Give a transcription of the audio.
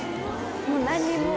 もう何も。